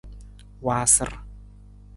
Waasar.